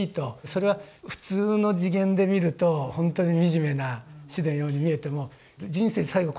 それは普通の次元で見るとほんとに惨めな死のように見えても人生最期